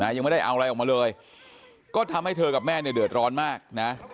ยังไม่ได้เอาอะไรออกมาเลยก็ทำให้เธอกับแม่เนี่ยเดือดร้อนมากนะ